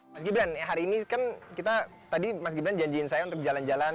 mas gibran hari ini kan kita tadi mas gibran janjiin saya untuk jalan jalan